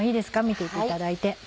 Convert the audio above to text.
見ていていただいて。